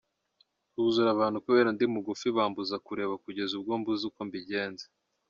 huzura abantu kubera ndi mugufi bambuza kureba kugeza ubwo mbuze uko mbigenza.